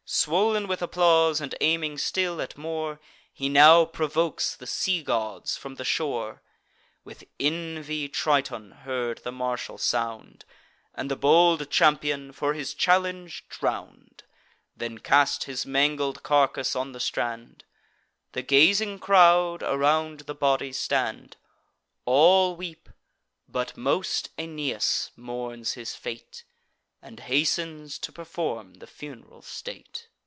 Swoln with applause, and aiming still at more, He now provokes the sea gods from the shore; With envy Triton heard the martial sound, And the bold champion, for his challenge, drown'd; Then cast his mangled carcass on the strand: The gazing crowd around the body stand. All weep; but most Aeneas mourns his fate, And hastens to perform the funeral state.